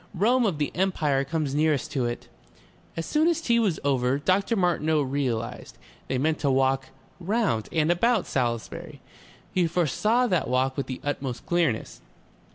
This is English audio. "Rome of the Empire comes nearest to it...." As soon as tea was over, Dr. Martineau realized, they meant to walk round and about Salisbury. He foresaw that walk with the utmost clearness.